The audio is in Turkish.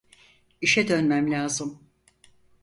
İşe dönmem lazım.